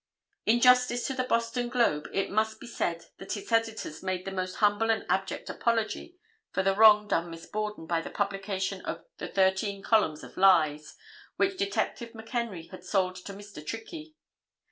In Justice to the Boston Globe it must be said that its editors made the most humble and abject apology for the wrong done Miss Borden by the publication of the "thirteen columns of lies" which Detective McHenry had sold to Mr. Trickey.